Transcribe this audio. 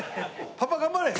パパ頑張れ！